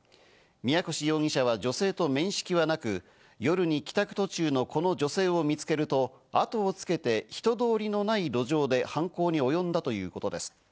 宮腰容疑者は女性と面識はなく、夜に帰宅途中のこの女性を見つけると後をつけて人通りのない路上で犯行におよんだということです。